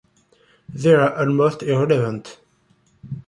They are almost irrelevant.